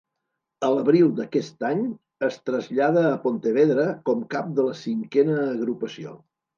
A l'abril d'aquest any es trasllada a Pontevedra com cap de la Cinquena Agrupació.